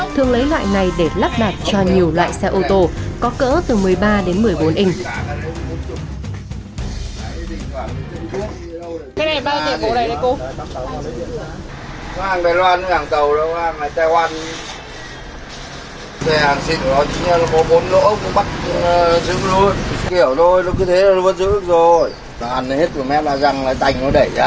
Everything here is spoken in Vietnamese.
thường lấy loại này để lắp đặt cho nhiều loại xe ô tô có cỡ từ một mươi ba đến một mươi bốn inh